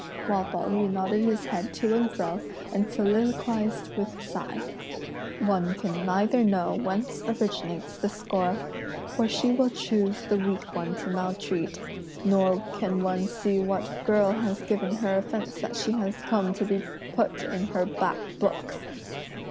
while Pao yü nodded his head to and fro and soliloquised with a sigh: "One can neither know whence originates this score; for she will choose the weak one to maltreat; nor can one see what girl has given her offence that she has come to be put in her black books!"